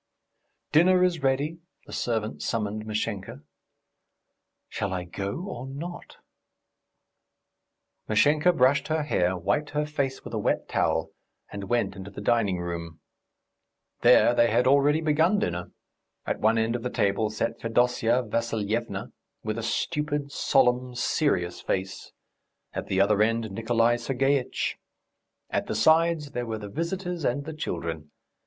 "Dinner is ready," the servant summoned Mashenka. "Shall I go, or not?" Mashenka brushed her hair, wiped her face with a wet towel, and went into the dining room. There they had already begun dinner. At one end of the table sat Fedosya Vassilyevna with a stupid, solemn, serious face; at the other end Nikolay Sergeitch. At the sides there were the visitors and the children.